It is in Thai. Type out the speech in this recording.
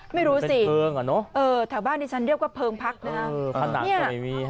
ไม่รู้สิถ้าบ้านในชั้นเรียกว่าเพิงพักนะครับ